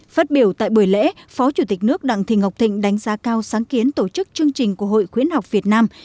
phát biểu tại buổi lễ phó chủ tịch nước đặng thị ngọc thịnh đánh giá cao sáng kiến tổ chức chương trình của hội khuyến học việt nam